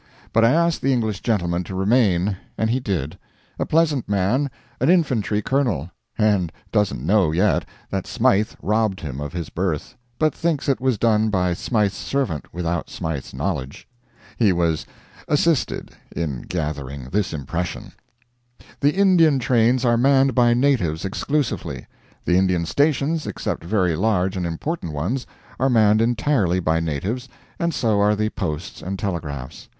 But I asked the English gentleman to remain, and he did. A pleasant man, an infantry colonel; and doesn't know, yet, that Smythe robbed him of his berth, but thinks it was done by Smythe's servant without Smythe's knowledge. He was assisted in gathering this impression. The Indian trains are manned by natives exclusively. The Indian stations except very large and important ones are manned entirely by natives, and so are the posts and telegraphs.